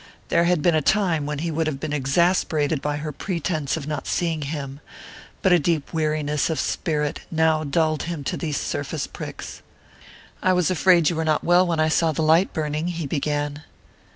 There had been a time when he would have been exasperated by her pretense of not seeing him, but a deep weariness of spirit now dulled him to these surface pricks. "I was afraid you were not well when I saw the light burning," he began.